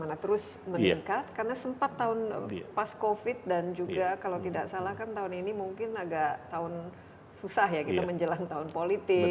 nah terus meningkat karena sempat tahun pas covid dan juga kalau tidak salah kan tahun ini mungkin agak tahun susah ya kita menjelang tahun politik